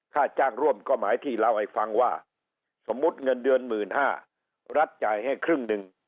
ค่าจ้างร่วมก็หมายที่เล่าให้ฟังว่าสมมุติเงินเดือน๑๕๐๐รัฐจ่ายให้ครึ่งหนึ่ง